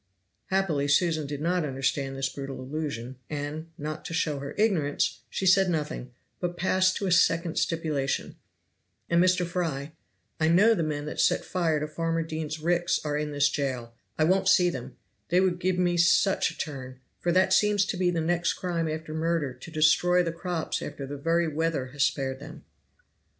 Happily Susan did not understand this brutal allusion; and, not to show her ignorance, she said nothing, but passed to a second stipulation "And, Mr. Fry, I know the men that set fire to Farmer Dean's ricks are in this jail; I won't see them; they would give me such a turn, for that seems to me the next crime after murder to destroy the crops after the very weather has spared them."